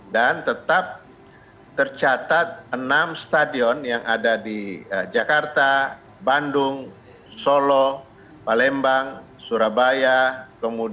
dan tetap tercatat enam stadion yang ada di jakarta bandung jawa tenggara jawa tenggara